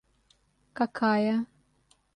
какая